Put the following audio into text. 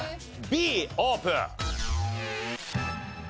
Ｂオープン。